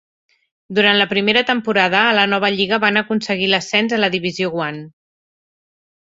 Durant la primera temporada a la nova lliga van aconseguir l'ascens a la Division One.